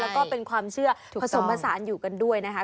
แล้วก็เป็นความเชื่อผสมผสานอยู่กันด้วยนะคะ